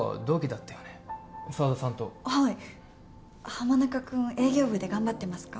浜中君営業部で頑張ってますか？